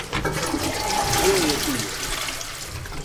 Гдје је бијеш?